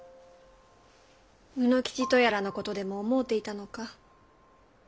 卯之吉とやらのことでも思うていたのか？